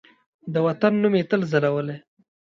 د وطن نوم یې تل ځلولی